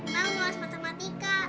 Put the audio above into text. mau luas matematika